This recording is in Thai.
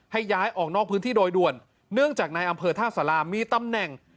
ให้ย้ายออกนอกพื้นที่โดยด่วนเนื่องจากในอำเภอท่าสารามีตำแหน่ง